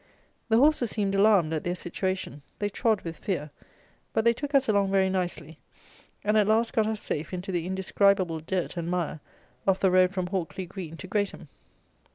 The horses seemed alarmed at their situation; they trod with fear; but they took us along very nicely, and, at last, got us safe into the indescribable dirt and mire of the road from Hawkley Green to Greatham.